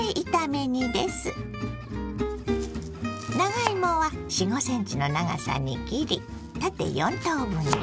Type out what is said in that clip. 長芋は４５ｃｍの長さに切り縦４等分に。